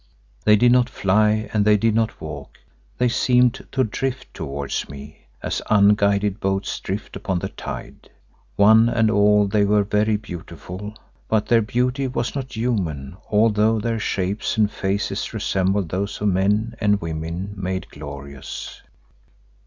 They did not fly and they did not walk; they seemed to drift towards me, as unguided boats drift upon the tide. One and all they were very beautiful, but their beauty was not human although their shapes and faces resembled those of men and women made glorious.